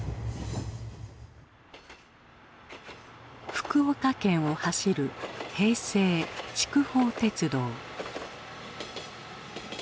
福岡県を走る平成筑豊鉄道。